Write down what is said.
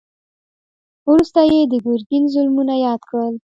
وروسته يې د ګرګين ظلمونه ياد کړل.